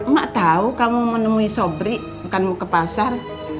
mak tahu kamu menemui sobri bukan mau ke pasar